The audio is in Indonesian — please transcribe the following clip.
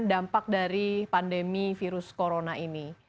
dampak dari pandemi virus corona ini